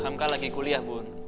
hamka lagi kuliah bunda